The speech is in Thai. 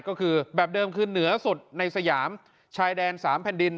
ก็คือแบบเดิมคือเหนือสุดในสยามชายแดน๓แผ่นดิน